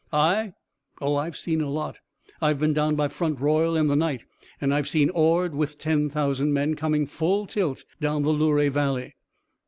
"I? Oh, I've seen a lot. I've been down by Front Royal in the night, and I've seen Ord with ten thousand men coming full tilt down the Luray Valley."